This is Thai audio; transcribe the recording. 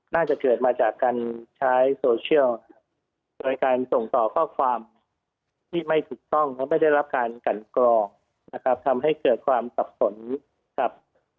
น่าจะเกิดมาจากการใช้โซเชียลโดยการส่งต่อข้อความที่ไม่ถูกต้องเพราะไม่ได้รับการกันกรองนะครับทำให้เกิดความสับสนครับ